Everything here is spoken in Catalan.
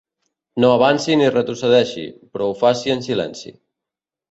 No avanci ni retrocedeixi, però ho faci en silenci.